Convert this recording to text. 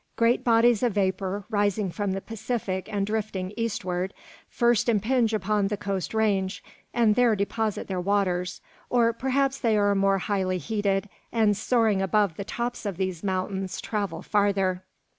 Great bodies of vapour, rising from the Pacific and drifting eastward, first impinge upon the coast range, and there deposit their waters; or perhaps they are more highly heated, and soaring above the tops of these mountains, travel farther.